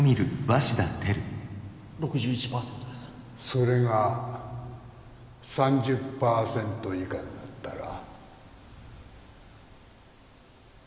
それが３０％以下になったら。